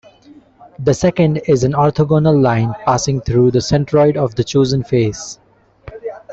The second is an orthogonal line passing through the centroid of the chosen face.